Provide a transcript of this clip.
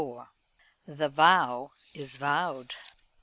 The Vow is vowed.